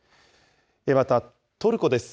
またトルコです。